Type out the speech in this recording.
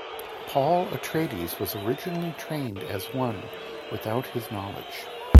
Paul Atreides was originally trained as one without his knowledge.